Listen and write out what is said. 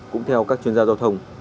cũng theo các chuyên gia giao thông